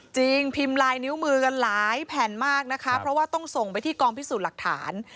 จริงพิมพ์ลายนิ้วมือกันหลายแผ่นมากนะคะเพราะว่าต้องส่งไปที่กองพิสูจน์หลักฐาน